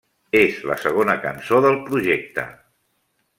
És la segona cançó del projecte.